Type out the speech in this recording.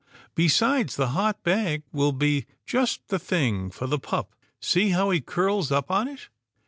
Besides, the hot bag will be just the thing for the pup. See how he curls up on it."